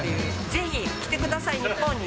ぜひ来てください、日本に。